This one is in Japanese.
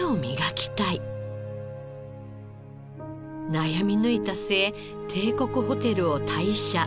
悩みぬいた末帝国ホテルを退社。